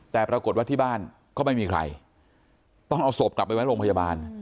แต่ปรากฏว่าที่บ้านก็ไม่มีใครต้องเอาศพกลับไปไว้โรงพยาบาล